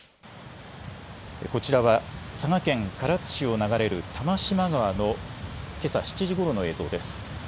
こちらは佐賀県唐津市を流れる玉島川のけさ７時ごろの映像です。